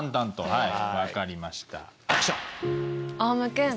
はい。